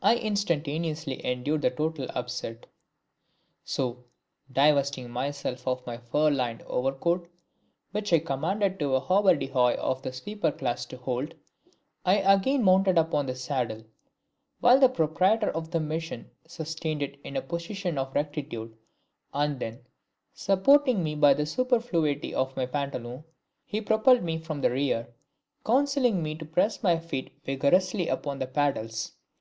[Illustration: "I INSTANTANEOUSLY ENDURED THE TOTAL UPSET!"] So, divesting myself of my fur lined overcoat, which I commanded a hobbardyhoy of the sweeper class to hold, I again mounted upon the saddle, while the proprietor of the machine sustained it in a position of rectitude, and then, supporting me by the superfluity of my pantaloons, he propelled me from the rear, counselling me to press my feet vigorously upon the paddles.